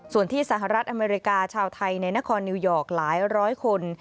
ส่วนที่สหรัฐอเมริกาชาวไทยในนครนิวยอร์กหลายร้อยคน